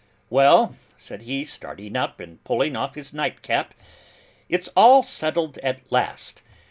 'Well,' said he, starting up, and pulling off his night cap: 'It's all settled at last.